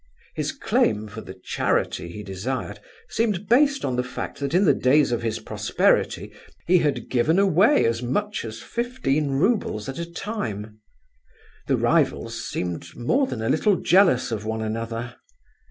His claim for the charity he desired seemed based on the fact that in the days of his prosperity he had given away as much as fifteen roubles at a time. The rivals seemed more than a little jealous of one another.